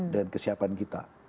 dengan kesiapan kita